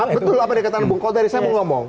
betul apa yang dikatakan bung koldari saya mau ngomong